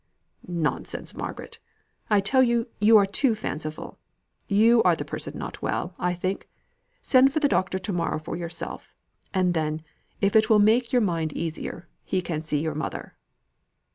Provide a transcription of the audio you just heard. "Nonsense, Margaret. I tell you, you are too fanciful. You are the person not well, I think. Send for the doctor to morrow for yourself; and then, if it will make your mind easier, he can see your mother."